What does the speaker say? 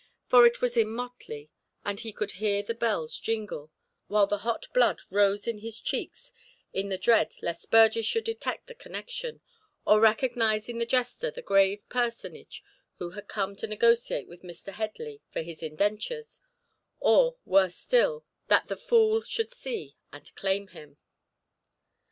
For it was in motley, and he could hear the bells jingle, while the hot blood rose in his cheeks in the dread lest Burgess should detect the connection, or recognise in the jester the grave personage who had come to negotiate with Mr. Headley for his indentures, or worse still, that the fool should see and claim him.